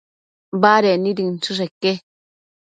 Baded nid inchësheque